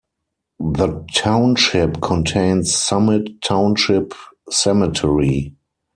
The township contains Summit Township Cemetery.